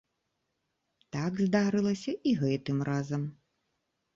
Так здарылася і гэтым разам.